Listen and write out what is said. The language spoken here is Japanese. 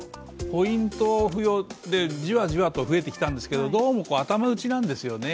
ポイントを付与でじわじわと増えてきたんですがどうも頭打ちなんですよね。